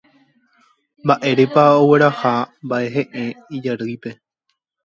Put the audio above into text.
Mba'érepa ogueraha mba'ehe'ẽ ijarýipe.